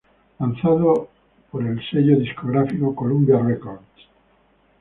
Lanzado el por el sello discográfico Columbia Records.